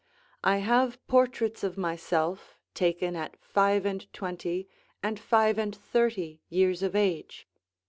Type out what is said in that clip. I have portraits of myself taken at five and twenty and five and thirty years of age.